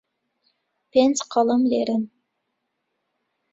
پێنج قەڵەم لێرەن.